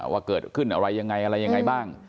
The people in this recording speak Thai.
ว่าเกิดขึ้นอะไรยังไงอะไรยังไงบ้าง